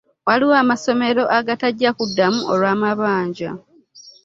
Waliwo amasomero agatajja kuddamu olw'amabanja.